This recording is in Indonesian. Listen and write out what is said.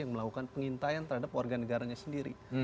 yang melakukan pengintaian terhadap warga negaranya sendiri